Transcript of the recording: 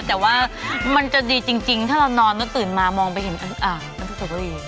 แต่ว่ามันจะดีจริงถ้านอนตื่นมามองไปเห็นอนุสาวรี